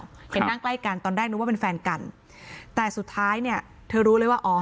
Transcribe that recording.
เห็นนั่งใกล้กันตอนแรกนึกว่าเป็นแฟนกันแต่สุดท้ายเนี่ยเธอรู้เลยว่าอ๋อ